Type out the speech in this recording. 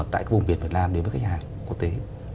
tại vùng biển việt nam đến với khách hàng quốc tế